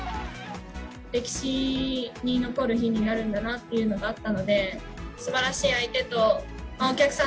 歴史に残る日になるんだなっていうのがあったので、すばらしい相手と、お客さん